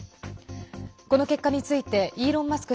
この結果についてイーロン・マスク